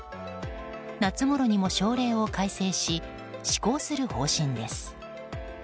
夏ごろにも省令を改正し施行する方針です。